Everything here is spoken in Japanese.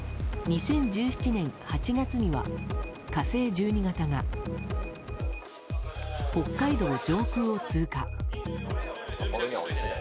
２０１７年８月には「火星１２型」が北海道上空を通過。